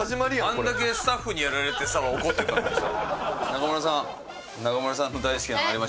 あんだけスタッフにやられて怒ってたのにさ。